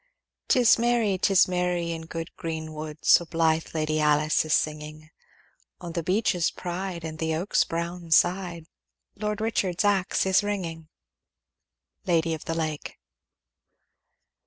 'Tis merry, 'tis merry, in good green wood, So blithe Lady Alice is singing; On the beech's pride, and the oak's brown side, Lord Richard's axe is ringing. Lady of the Lake.